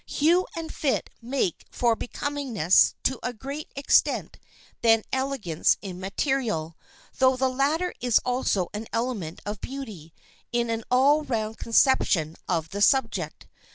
Hue and fit make for becomingness to a greater extent than elegance in material, though the latter is also an element of beauty in an all round conception of the subject.